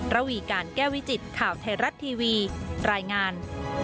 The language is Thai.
ระวีการแก้วิจิตข่าวไทยรัฐทีวีรายงาน